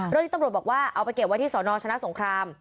แล้วที่ตำรวจบอกว่าเอาไปเก็บไว้ที่สอนอชนะสงคราม